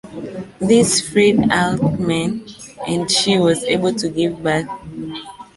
This freed Alcmene, and she was able to give birth.